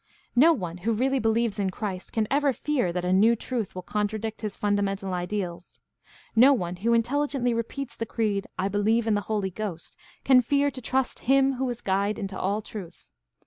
No one who really believes in Christ can ever fear that a new truth will contradict his fundamental ideals. No one who intelligently repeats the creed, "I believe in the Holy Ghost," can fear to trust Him who is guide into all truth.